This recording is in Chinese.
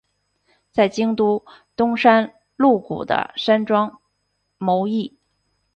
在京都东山鹿谷的山庄谋议。